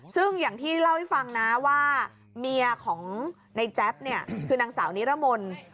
ซึ่งอย่างที่เล่าให้ฟังนะว่าเมียของในแจ๊บเนี่ยคือนางสาวนิรมนต์